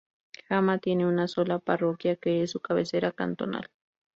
Jama tiene una sola parroquia que es su cabecera cantonal.